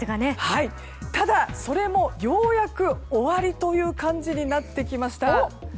ただ、それもようやく終わりという感じになってきました。